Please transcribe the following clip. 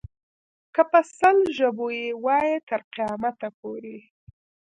که په سل ژبو یې وایې تر قیامته پورې.